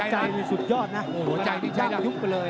โหหัวใจนี่สุดยอดนะกำลังจ้างยุคไปเลย